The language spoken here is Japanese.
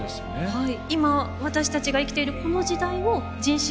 はい。